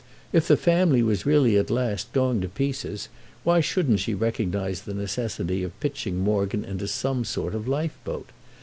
If the family was really at last going to pieces why shouldn't she recognise the necessity of pitching Morgan into some sort of lifeboat?